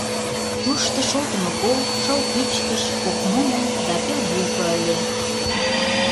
Тушто шолтымо кол, шыл пӱчкыш, кок муно да пел булко ыле.